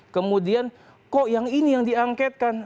kemudian kok yang ini yang diangketkan